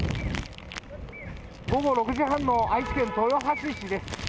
午後６時３０分の愛知県豊橋市です。